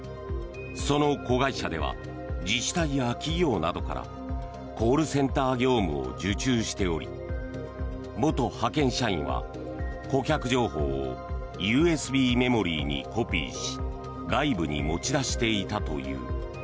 その子会社では自治体や企業などからコールセンター業務を受注しており元派遣社員は顧客情報をＵＳＢメモリーにコピーし外部に持ち出していたという。